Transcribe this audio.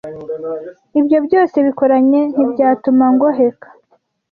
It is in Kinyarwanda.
Ibyo byose bikoranye Ntibyatuma ngoheka